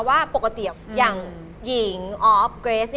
ว่าปกติอย่างหญิงออฟเกรส